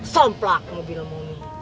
semplak mobil mami